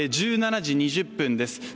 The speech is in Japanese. １７時２０分です。